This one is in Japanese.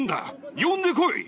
呼んでこい！